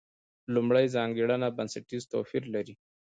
لومړۍ ځانګړنه بنسټیز توپیر لري.